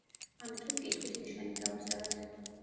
ამიტომ კითხვის ნიშანი დავწეროთ.